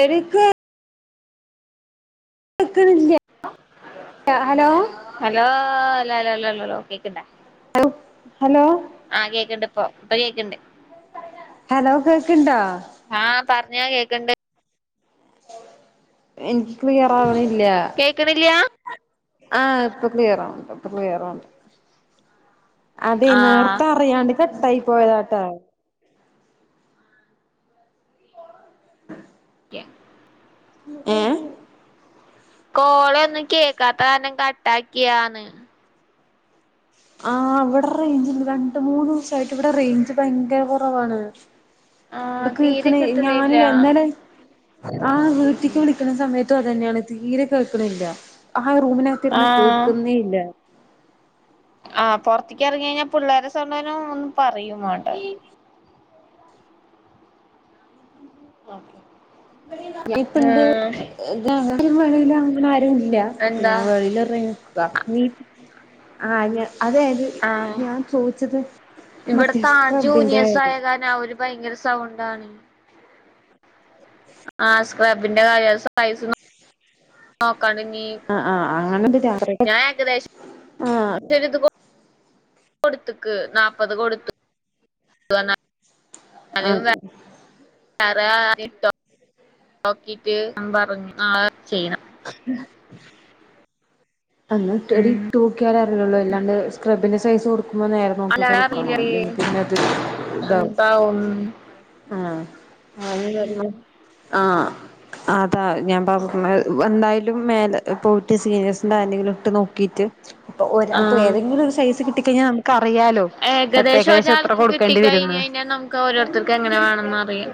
എനിക്ക് ക്ക്ണില്ലേ ആഹലോ ഹലോ ല ല ല ലാലോ കേക്ക്ണ്ടാ ഹലോ ആഹ് കേക്കണ്ട് ഇപ്പ പ്പ കേക്ക്ണ്ട് ഹലോ കേൾക്ക്ണ്ടോ ആഹ പറഞ്ഞോകേക്ക്ണ്ട് എൻക് ക്ലിയറാവണില്ല കേക്ക്ണില്ല്യാ ആഹ് പ്പ ക്ലിയറാവ് ണ്ട് പ്പ ക്ലിയറാവ്ണ്ട് അതേ യ് ആഹ് നേർത്ത പറിയാണ്ട് കട്ടായി പോയതാട്ട എ എ കോളൊന്നും കേക്കാത്ത കാരണം കട്ടാക്കിയാന്ന് ആ വടെ റേഞ്ച്ണ്ട് രണ്ട് മൂന്നുവസായിട്ട് ഇവിടെ റേഞ്ച് ഭയങ്കര കൊറവാണ് ആഹ് ഇവിടെ തീരെ കേക്ണേ യ് കിട്ട്ണില്ല ഞാനഎ ന്നലെ ആഹ വീട്ടിക്ക് വിളിക്കണ സമയത്തും അതെന്നെണ് തീരെ കേൾക്കണില്ല ആ റൂമിന ത്തിര്ന്ന ആഹ് കേൾക്കുന്നേ ഇല്ല അ പൊറത്തിക്യറങ്ങിയയിഞ്ഞ പിള്ളേരെ സൗണ്ടെന്നെ ഒന്നും പറയും മാണ്ടആ ഓ ഞ് പ്പന്ത് ഗ്രൗണ്ടിലും വെളിലും അങ്ങന ആരുല്യ അപ്പ എന്താ ഞാൻ വെളീലറഞ്ഞയ്ഞ്ഞാ [unintelligible] അതായത് ആഹ് ഞാൻ ചോയ്ച്ചത് ഇവിടെ മറ്റേ താഴ് സ്ക്രബിന്റെ ജൂനിയേഴ്സ് കാര്യം [unintelligible] ഭയങ്കര സൗണ്ടാണ് ആസ്ക്രബ്ബിന്റെ കാര്യം അത് സൈസ് നോ നോക്കാണ്ടനീം ആഹ് ആഹ് അങ്ങനെണ്ട് [unintelligible] ആഹ കൊട്ത്ത്ക്ക് നാപ്പത് കൊട്ത്ത് ആ തന്നെ ആരെ റെ ആരെ ട്ത് നോക്കിട്ട് ഞാമ്പറഞ്ഞു ഞാൻ ചെയ്യണം എന്ന ക് ട്ടാടി ഉം [unintelligible] തൂക്കിയാലെ അറിയൊളളു അല്ലാണ്ട് സ്ക്രബിൻ്റെ സൈസ് കൊടുക്ക്മ്പോം നേരം നോക്കി അല്ല കൊണ്ടാക്കണം അല്ലെങ്കി പിന്നെത് താവും [unintelligible] ആഹ ആമിം മരോളും ഉം ആഹ അതാ ഞാൻ പറഞ്ഞത് എന്തായാലും മേലെ പോയിട്ട് സീനിയഴ്സിൻ്റാർൻ്റെങ്കിലും ഇട്ട് നോക്കിട്ട് പ്പൊ അപ്പോ ആഹ് ഏതെങ്കിലും ഒരു സൈസ് കിട്ടികയ്ഞ്ഞാ നമ ക്കറിയാലോ എത്ത ഏകദേശം എത്ര കൊടുക്കേണ്ടി വരുന്ന് ങ്ങനെ വേണന്നറിയാം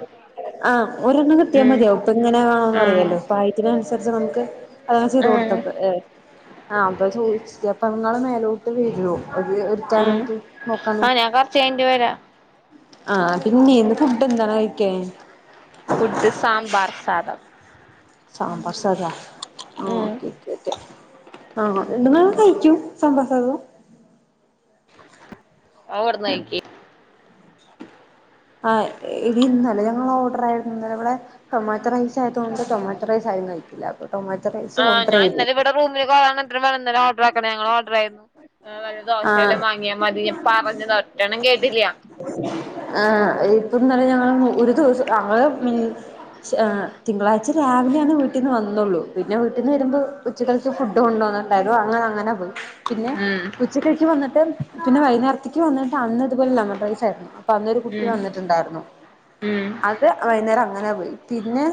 ആഹ് ഒരെണ്ണം കിട്ട്യാ മതിയാവും പ്പ ങ്ങനെ ആഹ് വേണന്നറിയാലോ പ്രായത്തിനനുസരിച്ച് നമുക്ക് അതാ ചെയ്ത് ആഹ് കൊടുത്തപ്പോഴെ ആ അതാ ചോദിച്ച അപ്പ ങ്ങളെ മേലോം ട്ട് വരോ അത് ഉം ആഹ് എട്ക്കാനായിട്ട് നോക്കാന് ഞാൻ കൊറച്ച് കഴിഞ്ഞിട്ട് വരാം ആഹ പിന്നെ ഇന്ന് ഫുഡെന്താണ് കയ് ക്യാൻ ഫുഡ് സാമ്പാർ സാധം സാമ്പർ സാധോ ആ ഉം ഓക്കെ ക്കെ ക്കെ ആ രണ്ട് നേരം കയ്ക്യും സാമ്പാർ സാധം ആവടന്നയ്കെ യ് ആഹ് എടി ഇന്നല്ലേ ഞങ്ങളോഡറാ യിരുന്നു ഇന്നലെവടെ ടൊമാറ്റൊ റൈസായതോണ്ട് ടൊമാറ്റൊ റൈസാരും കയിക്കില്ല അപ് ടൊമാറ്റൊറൈ ആ ഞാഇന്നലെ ലെ ഇവിടെ റുമില് പോ വാൻ എത്ര വ ഓർഡറാക്കി [unintelligible] ഞങ്ങൾ ഓർഡർ ആയിരുന്നു വല്ല ആഹ് ദോശവല്ലാം വാങ്ങിയാൽ മതി പറഞ്ഞത ഒറ്റണം കേട്ടില്ല ആ ഇപ്പന്ന ഞങ്ങള് ഒരു ദിവസം ഞങ്ങള് [unintelligible] ഷാതിങ്കളാഴ്ച രാവിലെയാണ് വീട്ടീന്ന് വന്നുള്ളൂ പിന്നെ വീട്ടീന്ന് വരുമ്പോ ഉച്ചക്കൽത്തേ ഫുഡ് കൊണ്ടുവന്നിണ്ടായിരുന്നു അങ്ങനെ അങ്ങനെ പോയി പിന്നെ ഉം ഉച്ചക്കല് ക്ക് വന്നിട്ട് പിന്നെ വൈനാര ത്തേക്ക് വന്നിട്ട് അന്ന ഇതുപോലെ ലമൻ റൈസ് ചേർക്കണം അന്നൊരു കുട്ടി ഉം വന്നിട്ടുണ്ടായിരുന്നു ഉം അത് വൈന്നാരം അങ്ങനെ പോയി പിന്നെ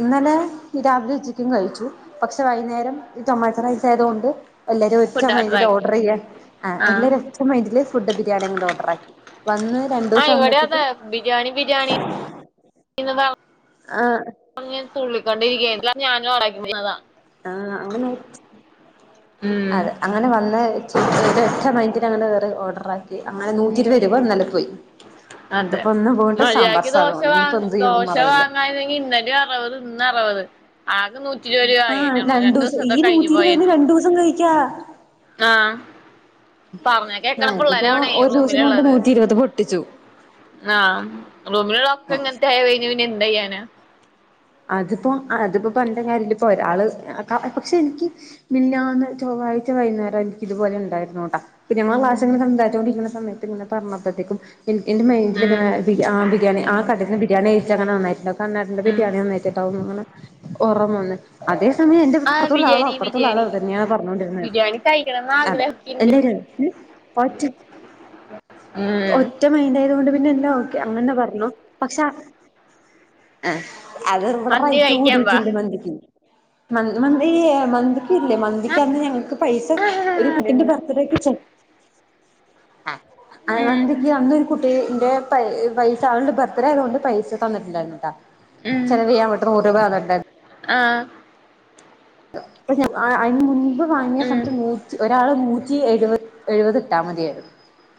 ഇന്നലെ ഈ രാവിലെ ഉച്ചയിക്കും കഴിച്ചു. പക്ഷെ വൈന്നേരം ഈ ടൊമാറ്ററൈസ് ആയതു കൊണ്ട് എല്ലരും ഒ റ്റ ഫുഡ് ഓർഡർ മൈന്റ്ല് ആക്കി ഓർഡറെയ്യ ആഹ് എല്ലാരും ഒറ്റ മൈൻഡില് ഫുഡ് ബിരിയാണിയങു ഓർഡർ ആക്കി. വന്ന് രണ്ടു ദിവസം ആഹ് ഇവിടെ അതെ ആവുമ്പോഴത്തേക്കും ബിരിയാണി ബിരിയാണി എന്ന് പർഞ് ആഹ് അങ്ങ് തുള്ളിക്കൊണ്ടിരിക്കയാരുന്നു അപ്പ ഞാനും [unintelligible] ആഹ് അങ്ങനെ ഉം അതെ അങ്ങനെ വന്ന് ഒരറ്റ മൈൻഡിൽ അങ്ങട് കേറി ഓർഡർ ആക്കി അങ്ങനെ നൂറ്റി ഇരുവരുപ ഇന്നലെ പോയി അതെ ഇതിപ്പോ ഇന്ന് പോയിട്ട് സാമ്പാർ മര്യക്ക് ദോശ സാധമാണ് ഇനിയിപ്പോ വാങ്ങ എന്ത് ചെയ്യണോന്ന് ദോശ അറിയില്ല വാങ്ങര്ന്നെങ്കി ഇന്നലെ അറുപത് ഇന്ന് അറുപത് ആകെ നൂറ്റ ആഹ് രണ്ടുസ ഈ നൂറ്റിരുപതിന് പോയേനെ രണ്ടുസം കഴിക്കാ ആഹ് പറഞ്ഞ കേക്കണ ആഹ് ഇതിപ്പോ പിള്ളേരാവണേ ഒരു ദിവസ കൊണ്ട് റൂമിലുള്ളത് നൂറ്റി ഇരുപത് പൊട്ടിച്ചു ആഹ് റൂമിലുള്ളൊക്കെ ഇങ്ങൻത്തെ ആയ കഴുഞ്ഞുന്ന പിന്നെ എന്താ ചെയ്യാന അത്പ്പോ അത്പ്പ പണ്ട് ഞാൻ എന്റെപ്പൊരാള് പക്ഷെ എനിക്ക് മിഞ്ഞാന്ന് ചൊവ്വാഴ്ച വൈകുന്നേരം എനിക്ക് ഇതുപോലെ ഉണ്ടായിരുന്നുട്ടാ പിന്നെമ്മളു ക്ലാസ്സിങ്ങനെ സംസരിച്ചോണ്ടിരിക്കുന്ന സമയത്ത് ഇങ്ങനെ പറഞ്ഞപ്പോഴത്തേക്കും എന്റെ ഉം മൈൻഡിലിങ്ങനെ ബിരി ആ ബിരിയാണി ആ കടന്ന് ബിരിയാണി കഴിച്ചങ്ങനെ നന്നായിട്ട്ണ്ടാവും [unintelligible] [unintelligible] ഉം സമയം എന്റെ ആഹ് ഇപ്പർത്തുള്ള ആളൊ ബിരിയാണി അപ്പർത്തുള്ള ആളൊ ബിരിയാണി ഇന്നെയാണ് പറഞ്ഞോണ്ടിരുന്നെ. ബിരിയാണി കഴിക്കണംന്ന് അതെ ആഗ്രഹിക്ക്ണ്ട് എല്ലാരും അ ഒറ്റ് ഉം ഒറ്റ മൈൻഡ് ആയതു കൊണ്ട് പിന്നെല്ലാ ഓക്കെ അങ്ങനെ പറഞ്ഞു പക്ഷെ ആ അത് ഇവിടെ മന്തി റൈറ്റ് കഴിക്കാൻ വാ കൂടിട്ടുണ്ട് മന്തിക്ക് മ മന്തി മന്തിക്ക് ഇല്ലേ മന്തിക്കന്ന് ഞങ്ങക്ക് പൈസ ഒരു കുട്ടിന്റെ ബർത്തഡേക് ചൊ അ ഉം മന്തിക് അന്നൊരു കുട്ടി ഇന്റെ പൈ പൈസ ആളുടെ ബർത്ത്ഡേ ആയതുകൊണ്ട് പൈസ തന്നിട്ടുണ്ടായ്രുന്നു ട്ടാ ഉം ചെലവെയ്യാൻ ട്ട് നൂറ് രൂപ തന്നിട്ടുണ്ടാരുന്നു ആഹ് ഇപ്പ ഞ അതിന് മുൻപ് വാങ്ങിയ ഉം സമയത്ത് നൂ ഒരാള് നൂറ്റി എഴു എഴുപത് ഇട്ടാ മതിയായിരുന്നു.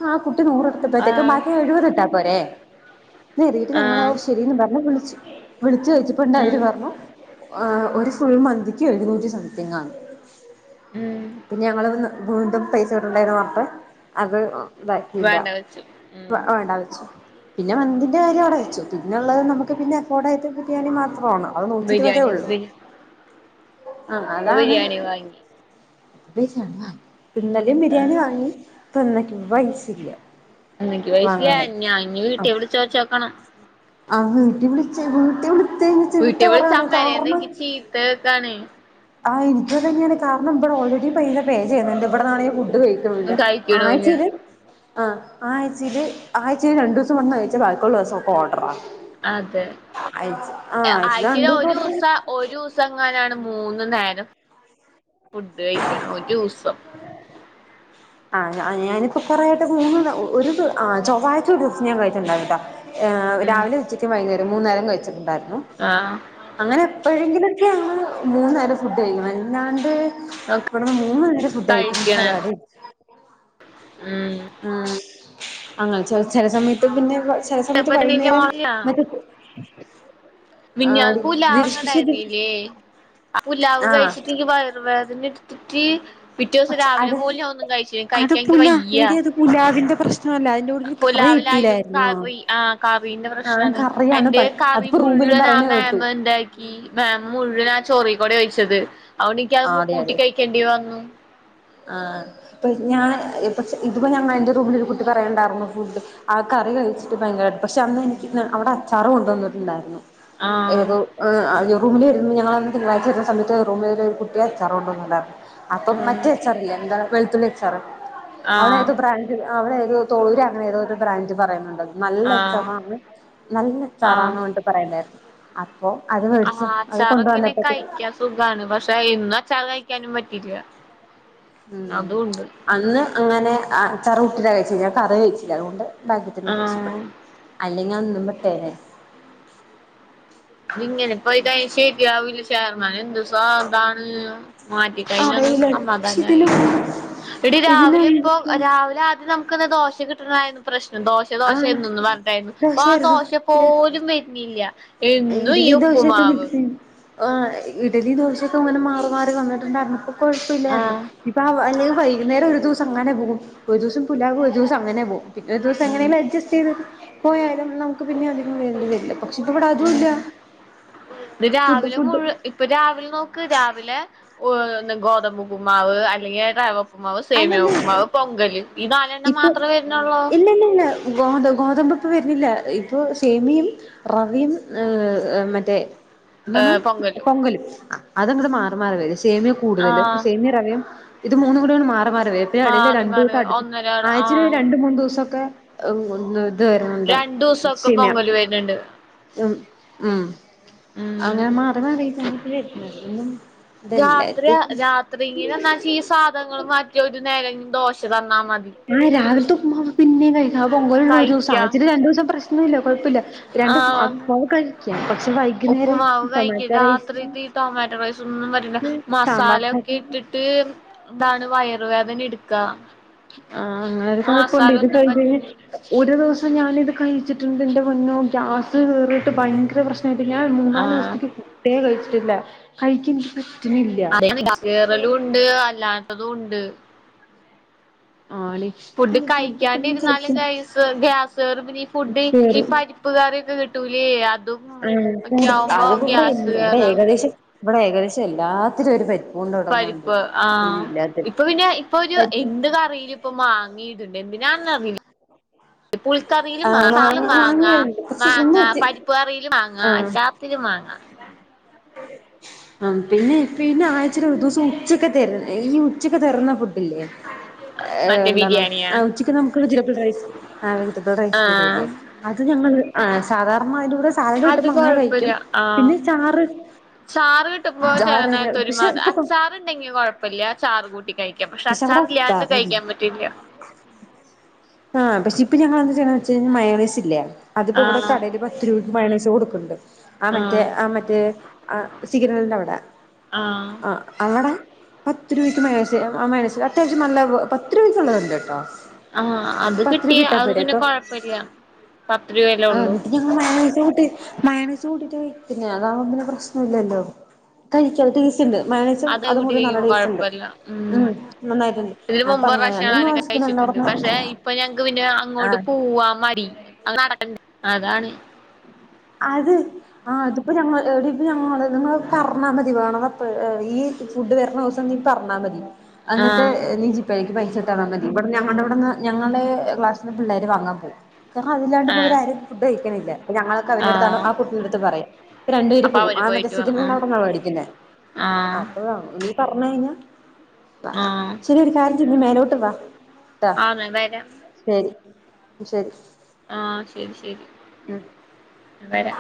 ആ കുട്ടി നൂറ് ത്തപ്പഴത്തേക്കും ആഹ് ബാക്കി എഴുപതിട്ടാ പോരെ നേറിട്ട് ഞങ്ങള ആഹ് വു ശരിന്ന് പർഞ് വിളിച്ചു വിളിച്ചു വെച്ചപ്പോണ്ട് അവര് ഉം പറഞ്ഞു ഒരു ഫുൾ മന്തി ക്ക് എഴുന്നൂറ്റി സംതിങ് ആന്ന്. ഉം പിന്നെ ഞങ്ങളന്ന് വീണ്ടും പൈസ ഇടണ്ടെന്ന് പറഞ്ഞിട്ട് അത് ഇതാക്കിയില്ല വേണ്ട വെച്ചു ഉം വേണ്ടന്നു വച്ചു പിന്നെ മന്തിന്റെ കാര്യം അവിടെ വെച്ചു പിന്നെള്ളത് നമുക്ക് പിന്നെ അഫോർഡ് ആയിട്ട് ബിരിയാണി മാത്ര ആണ് അത് നൂറ്റി ഇരുപതേ ബിരിയാണി ഉള്ളൂ പ്പ ബിരിയാണി വാങ്ങി [unintelligible] ഇന്നലിം ബിരിയാണി ആഹ് വാങ്ങി ഇപ്പ ഇന്നേക്കും പൈസയില്ല എന്ക്ക് പൈസില വാങ്ങാന് ഞാ ഇഞ് വീട്ടി ആഹ് വിളിച്ചു ചോച്ചോക്കണം ആഹ് വീട്ടി വിളിച്ച വീട്ടി വിളിച്ചഞ്ഞ വീട്ടി വിളിച്ച് ചിത്തപറയാണ് അമ്മേനേന്ന് കാറണം എനിക്ക് [unintelligible] ആഹ് എനിക്ക് അതന്നെയാണ് കാരണം ഇവിടെ ഓൾറെഡി പൈ പേ ചെയ്യുന്നുണ്ട് ഇവിടെന്നാണ്ങ്കി ഫുഡ് തുല്ല കഴിക്ക്ണൂല്ല ആഴ്ചേല് ആഹ് ആഴ്ചീല് ആഴ്ച്ചല് രണ്ട് ദിസം വന്ന് കയിച്ചാ ബാക്കി ഉള്ള ദേസം ഒക്കെ ഓഡാറാ അതെ ആഴ്ചയില് ആഴ്ചേല് രണ്ട് ദിവസം ഓർഡറ് ഒരൂസ ഒരുസങ്ങാനാണ് മൂന്ന് നേരം ഫുഡ് കഴിക്കണെ ഒരുസം ആഹ് ഞാ ഞാനിപ്പം കൊറേട്ട് മൂ ഒര് ആഹ് ചൊവ്വാഴ്ച ഒര് ദിസം ഞാൻ കഴിച്ച് ഇണ്ടാവ്ട്ടോ ഏഹ് ഉം രാവിലെ, ഉച്ചയ്ക്ക്, വൈന്നേരം മൂന്ന് നേരം കഴിച്ചിട്ട് ഇണ്ടാര്ന്നു ആഹ് അങ്ങനെ എപ്പോഴെങ്കിലും ഓക്കെ ആണ് മൂന്ന് നേരം ഫുഡ് കഴിക്ണത് അല്ലാണ്ട് ഒക്കെ ഇവടെ മൂന്ന് നേരം ഫുഡ് കയിക്ക്ന്നാ കഴിക്കണേ പരിപാടി ഉം ആഹ് അങ്ങ് ചെല സമയത്ത് പിന്നെ ചെല സമയത്ത് അപ്പൊ വൈന്നേരം മറ്റേത് മിഞാന്ന് പുല്ലാവ് ഇങ്ങണ്ടായിര്ന്നില്ലേ ആഹ് പുലാവ് ആഹ് കഴിച്ചിട്ട് ഇൻക്ക് വയറ് വേദന ഇടുത്തിട്ട് പിറ്റേ ദിവസം പക്ഷെ രാവിലെ അത് പോലും ഒന്നും കഴിച്ചില്ല അത് കഴിക്കാക്ക്യാ ഇൻക്ക് പുല വയ്യ എടി അത് പുലാവിന്റെ പ്രശ്നമല്ല അതിന്റെ കൂടെ ഒരു കറി പുലാവില് ആയാലും കിട്ടിയില്ലായിരുന്നോ കറി ആഹ് കറിന്റെ ആഹ് പ്രശ്നാന്ന് കറിയാണ് പ എന്റെ കറി അതിപ്പോ റൂമിലും മുഴുവനും പറയുന്ന കേട്ടു ആമേമ്മ് എന്താക്കി മെമ്മ് മുഴുവനും ആഹ് ചോറ് കൂടെ ഒഴിച്ചത് അ ഓണ്ട് ഇൻക്ക് അത് ആഹ് അതെ കൂട്ടി അതെ കയിക്കേണ്ടി വന്നു ആഹ് ഇപ്പൊ ഞാൻ പക്ഷെ ഇതിപ്പോ ഞങ്ങൾന്റെ റൂമില് ഒര് കുട്ടി പറയണ്ടാരുന്നു ഫുഡ് ആഹ് കറി കഴിച്ചിട്ട് ഭയങ്കര പഷെ അന്ന് അവടെ അച്ചാറ് കൊണ്ട് വന്നിട്ടുണ്ടായിരുന്നു ആഹ് ഏതോ ആഹ് റൂമിലെയ്ര്ന്നു ഞങ്ങള് അന്ന് തിങ്കാഴ്ച വേര്ന്ന സമയത്ത് റൂമില് രെ അച്ചാറ് കൊണ്ട് വന്നിട്ട്ണ്ടാരുന്നു അപ്പൊ മറ്റേ ഉം അച്ചാറ് ഇല്ലേ എന്താണ് വെൾത്തുള്ളി അച്ചാറ് ആഹ് അവളേത് ബ്രേഞ്ച അങ്ങനെ ഏതോര് ബ്രാഞ്ച പറയുന്നുണ്ടായ്ര്ന്നു നല്ല ആഹ് അച്ചാറാന്ന് നല്ല ആഹ് അച്ചാറാന്ന് പർഞ്ട്ട് പറയ്ണ്ടായ്രുന്നു അപ്പൊ അത് വേടിച്ചോ അത് കൊണ്ട് വന്നപ്പഴത്തേ താണ് പഷെ ഇന്ന് അച്ചാറ് കഴിക്കാനും പറ്റില്ലാ ഉം അതും ഇണ്ട് അന്ന് അങ്ങനെ അച്ചാറ് കുട്ടിട്ടാ കഴിച്ചത് കറി കഴിച്ചില്ല അത് കൊണ്ട് ഭാഗ്യത്തിന് ആഹ് രക്ഷപ്പെട്ടു അല്ലെങ്കി അന്നും പെട്ടേനെ ഇത് ഇങ്ങനെ പോയി കഴിഞ്ഞാ ശെരി ആവുല [unintelligible] മാറ്റിക്കയിഞ്ഞ ഒന്ന് അറിയില്ല പക്ഷെ സമാധാനായി ഇതിന് എടീ ഇതിന് രാവിലെ ഇപ്പോ രാവിലെ അ നമ്മക്ക് ഇന്ന് ദോഷിം കിട്ട്ണായാലും പ്രശ്നം ദോശ ദോശ ആഹ് എന്നെന്നും പർഞ്ഞിട്ടായിരുന്നു അപ്പൊ ആഹ് ദോശയായിരുന്നു ദോശ പോലും വെര്ന്നില്ല ഇഡലി ദോശയൊക്കെ മിക്സെ ആഹ് ഇഡലി ദോശയൊക്കെ അങ്ങനെ മാറി മാറി വന്നിട്ട്ണ്ടാര്ന്നപ്പോ കൊഴപ്പില്ലാര്ന്ന് ആഹ് ഇപ്പ ആഹ് അല്ലെങ്കി വൈക്ന്നോരം ഒര് ദു സം അങ്ങനെ പോകും ഒരുസം പുലാവ് ഒരുസം അങ്ങനെ പോകും പിറ്റേ ദിവസം ഉം എങ്ങനെലും അഡ്ജസ്റ്റ് ചെയ്ത് പോയാലും നമ്മക്ക് പിന്നെ അധികം വേണ്ടി വരില്ല പക്ഷേ ഇപ്പ ഇവടെ അതും ഇല്ല ഉം ഇത് ഫുഡ് രാവിലെ ഫുഡ് മുഴുവ ഇപ്പ രാവിലെ നോക്ക് രാവിലെ ഗോതമ്പ് ഉപ്പ് മാവ് അല്ലെങ്കി റവ ഉപ്പ്മാവ് സേമ്യാ അല്ലല്ല ഉപ്പ്മാവ് പൊങ്കല്ല് ഈ നാലെണ്ണം ഇപ്പൊ മാത്ര വെര്ണേള്ളൂ ഇല്ല ഇല്ല ഇല്ല ഗോത ഗോതമ്പ് ഇപ്പം വേര്ന്നില്ല ഇപ്പൊ സേമിയും റെവിം മറ്റേ എന്തണ് ഏഹ് പൊങ്കല് പൊങ്കലും അത് അങ്ങട് മാറി മാറി വെരും സേമ്യാ കൂട്തലും ആഹ് സേമ്യായും റവയും ഇത് മൂന്നും കൂടിയാണ് മാറി മാറി വേര എവടേലും മാറി രണ്ട് മാറി [unintelligible] ഒന്നര ആഴ്ച്ചേല് ആഹ് രണ്ട് മൂന്ന് ദിവസോക്കെ [unintelligible] ത് വെരുന്നുണ്ട് രണ്ടു ദിവസൊക്കെ സെമ്യാ പൊങ്കല് വരുന്നുണ്ട് ഉം ഉം ഉം അങ്ങനെ മാറി മാറിട്ടാണ് ഇത് വെര്നെത് രാത്രിയാ രാത്രിങ്ങനെ എന്നല് ഇച്ച് ഈ സാധനങ്ങള് മറ്റി ഒര് നേരം ദോശ തന്നാ മ ആഹ് രാവിൽത്തെ ഉപ്പ്മാവ് പിന്നെ ആഹ് പൊങ്കലോള്ളൂ ഒരുസം കഴിക്ക ആഴ്ച്ചേല് രണ്ടുസം പ്രശ്നല്ലാ കൊഴപ്പല്ല രണ്ടും [unintelligible] ഉപ്പു മാവ് കഴിക്ക്യാ റൈസ് രാത്രിത്തെ ടൊമാറ്റോ റൈസ് ഒന്നും പറ്റുല സാമ്പാർ മസാല ചട്നി കേട്ടിട്ട് താണ് വയറ് വേദന ഇട്ക്കാ ആഹ് അങ്ങനോരു കൊയ്പ്പണ്ട് ഇത്പ്പോ ഒന്നും ഇത്ന് പറ്റണില്ല ഒരു ദിവസം ഞാനിത് കഴിച്ചിട്ട്ണ്ട് എന്റെ പൊന്നോ ഗ്യാസ് കേറിയിട്ട് ഭയങ്കര പ്രശ് ഞാൻ മൂന്നാല് ആഹ് ദിവസത്തെക്ക് ഫുഡേ കഴിച്ചിട്ടില്ല കഴിക്കാൻ ഇൻക്ക് പ [unintelligible] കേറലുണ്ട് അല്ലാത്തതും ഇണ്ട് ആളി ഫുഡ് കഴിക്കാണ്ടിരുന്നാലും ഗൈസ് ഗ്യാസ് കേറും പിന്നീ ഈ ഫുഡ് ഈ കേറും പ പ്പ് കറിഒക്കെ കിട്ടൂലേ അതും ആഹ് ഒക്കെ കൂട് ആവുമ്പോ അത് ഇവിടെ ഗ്യാസ് ഇവിടെ കേറാം ഏകദേശം ഇവിടെ ഏകദേശം എല്ലാത്തിലും ഒരു പര് പരിപ്പ് ആഹ് ഇപ്പൊ പിന്നെ ഇപ്പൊ ഒരു പരിപ്പ് എന്ത് കറിയിലും ഇപ്പം മാങ്ങീട്ണ്ട് എന്തിനാന്ന് [inaudible] പുളിക്കറിയിലും ആഹ് മാങ്ങാ ച്ചാറിലും മാങ്ങ മാങ്ങാ മാങ്ങയുണ്ട് പക്ഷെ ഇന്ന് മാങ്ങാ വെച്ച് പരിപ്പ് കറിയിൽ മാങ്ങാ എ ആഹ് ത്തിലും മാങ്ങാ ആഹ് പിന്നെ പിന്നെ ആഴ്ചേൽ ഒരു ദിവസം ഉച്ചക്കത്തെ ഈ ഉച്ചക്ക് തെർന്ന ഫുഡില്ലേ ഏഹ് മറ്റേ എന്താണോ ബിരിയാണിയാ ആ ഉച്ചക്ക് നമുക്ക് വെജിറ്റബിൾ റൈസ് ആ വെജിറ്റബിൾ റൈസ് ആഹ് തരുല്ലേ അത് ഞങ്ങൾ സാധാരണ അതിന്റെ കൂടെ സാലഡ് അത് കിട്ടുമ്പ അങ്ങനെ കൊഴപ്പില്ല കഴിക്കും ആഹ് പിന്നെ ചാറ് ചാറ് ചാറല്ല പക്ഷെ ഇപ്പൊ റ് ണ്ടെങ്കി കുഴപ്പല്ല ചാറ് കൂട്ടി കഴിക്കാം പക്ഷെ അവിടെ അച്ചാർല്ലാണ്ട് ചാറില്ല കഴിക്കാൻ പറ്റില്ല ആഹ് പക്ഷെ ഇപ്പം ഞങ്ങൾ എന്താ ചെയ്ണെ വെച്ച് കഴിഞ്ഞാ മയോണെഴ്സ് ല്ലേ അതിപ്പോ ഇവിടെ ആഹ് കടേൽ തിരു മായോണേഴ്സ്‌ കൊടുക്കുണ്ട് ആഹ് മറ്റേ ആ മറ്റേ ആ സിഗ്നൽന്റെ അവിടെ ആഹ് അവടേ പത്ത് രൂപയ്ക്ക് മയോണേഴ്സ് ആ മയോണേഴ്സ് അത്യാവശ്യം നല്ല പത്ത് രൂപയ്ക്കുള്ളത് എണ്ട് കേട്ടോ ആഹ് അപ്പൊ അത് പത്ത് രൂപ കിട്ടിയ ഇട്ടാ അത് പോരെ പിന്നെ അപ്പൊ കൊഴപ്പല്ല പത്ത് രൂപയല്ലേ ഒള്ളൂ ഞങ്ങ മയോണേഴ്സ് കൂട്ടി മയോണേഴ്സ് കൂട്ടിട്ട് കഴിക്ക്ന്നേ അതാവുമ്പോ പിന്നെ പ്രശ്നം ഇല്ലല്ലോ കഴിക്കാ ടേസ്റ്റ്ണ്ട് മയോണേഴ്‌സും അത് അതും കൂട്ടി കൂടി നല്ല കഴിക്കുമ്പോ ടേസ്റ്റ് ഇണ്ട് കൊഴപ്പല്ല ഉം നന്നായിട്ടുണ്ട് ഇതിന് അപ്പം മുമ്പ് ഒരു അങ്ങനെ പ്രാവശ്യം ഞങ്ങൾ നിങ്ങൾ കഴിച്ചിട്ടുണ്ട് താമസിക്ക്ന്നവിട്ന്ന് [unintelligible] ആഹ് പൂവാൻ മടി അങ്ങനെ നടക്കണ്ട് അതാണ് അത് ആഹ് അതിപ്പോ ഞങ്ങൾ എടീ ഇത് ഞങ്ങള് നിങ്ങള് പറഞ്ഞാൽ മതി വേണത് അപ്പ ഈ ഫുഡ് വരണ ദിവസം നീ പറഞ്ഞാ മതി എന്നിട്ട് ആഹ് നീ പ്പേക്ക് പൈസട്ടെന്നാ മതി ഇബ്ടെ ഞങ്ങൾടെ ഇവിടന്ന് ഞങ്ങളുടെ ക്ലാസ്സിൽന്ന് പിള്ളേര് വാങ്ങാൻ പോവും കാരണം അതില്ലാണ്ട് ആഹ് ഇവരാരും ഫുഡ് കഴിക്ക്ണില്ല ഞങ്ങളോക്കെ അവന്റെ അടുത്താണ് ആഹ് ആ കുട്ടിയെടുത്ത് പറയും രണ്ട് പേര് അപ്പൊ പോകും അവര് ആ മറ്റേ പോയിട്ട് വാ സിഗ്നൽന്റെ ആഹ് അവടെന്നാണ് മേടിക്കുന്നേ ആഹ് അപ്പൊ നീ പറഞ്ഞ് കഴിഞ്ഞാ ആഹ് ശെരി ഒരു കാര്യം ചെയ്യ് നീ മേലോട്ട് വാ ട്ടാ ആന്ന് വരാം ശരി ശരി ആഹ് ശരി ശരി ഉം വരാ